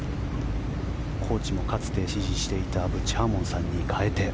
コーチもかつて師事していたブッチ・ハーモンさんに代えて。